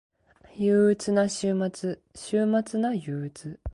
憂鬱な週末。週末な憂鬱